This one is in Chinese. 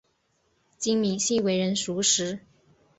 金珉锡为人熟识。